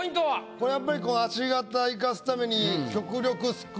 これやっぱり足形生かすために。